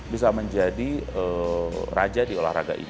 bisa menjadi raja di olahraga ini